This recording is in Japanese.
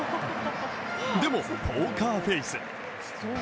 でもポーカーフェース。